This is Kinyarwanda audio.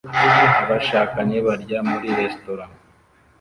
Abashakanye barya muri resitora